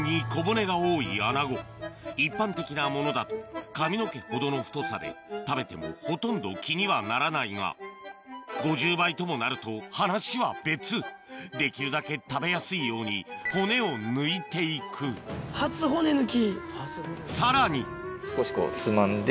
一般的なものだと髪の毛ほどの太さで食べてもほとんど気にはならないが５０倍ともなると話は別できるだけ食べやすいように骨を抜いていくさらに少しこうつまんで。